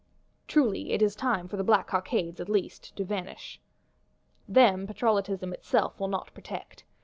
— Truly, it is time for the black cockades at least, to vanish. Them Patrollotism itself will not protect.